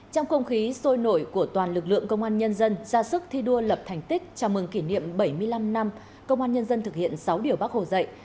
trong không khí sôi nổi của toàn lực lượng công an nhân dân ra sức thi đua lập thành tích chào mừng kỷ niệm bảy mươi năm năm công an nhân dân thực hiện sáu điều bác hồ dạy